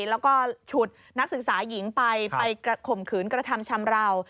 แล้วก็ฉุดนักศึกษาหญิงไปไปข่มขืนกระทำชำราว